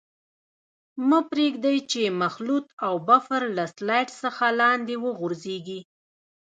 مه پرېږدئ چې مخلوط او بفر له سلایډ څخه لاندې وغورځيږي.